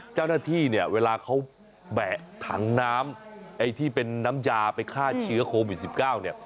เจ้าหน้าที่เนี่ยเวลาเขาแบะถังน้ำไอ้ที่เป็นน้ำยาไปฆ่าเชื้อโควิด๑๙เนี่ย